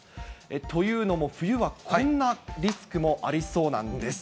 というのも、冬はこんなリスクもありそうなんです。